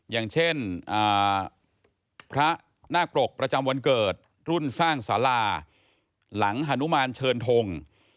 อย่างเช่นพระนาคปรกประจำวันเกิดรุ่นสร้างสาราหลังฮานุมานเชิญทง